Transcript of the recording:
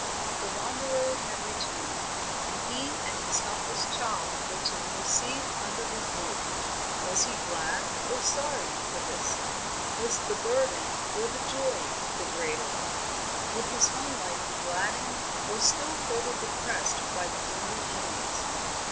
The wanderer had returned, and he and his helpless child were to be received under his roof. Was he glad or sorry for this? Was the burden or the joy the greater? Would his home life be gladdened or still further depressed by these new inmates?